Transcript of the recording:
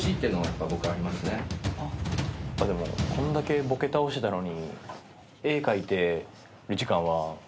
こんだけボケ倒してたのに。